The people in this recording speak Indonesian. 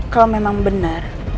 kalau memang bener